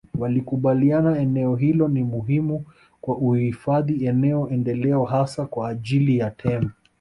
walikubaliana eneo hilo ni muhimu kwa uhifadhi eneo endeleo hasa kwa ajili ya tembo